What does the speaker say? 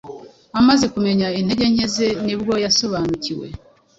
amaze kumenya intege nke ze ni bwo yasobanukiwe